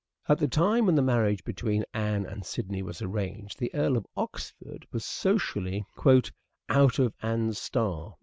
At the time when the marriage between Anne and Sidney was arranged the Earl of Oxford was, socially, " out of Anne's star."